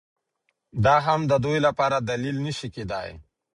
دا هم د دوی لپاره دلیل نه شي کېدای